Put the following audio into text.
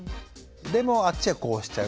でもあっちはこうしちゃうって。